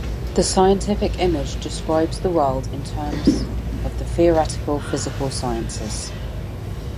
The scientific image describes the world in terms of the theoretical physical sciences.